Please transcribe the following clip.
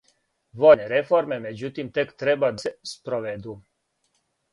Војне реформе међутим тек треба да се спроведу.